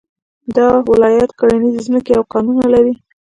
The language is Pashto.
دا ولايت کرنيزې ځمکې او کانونه لري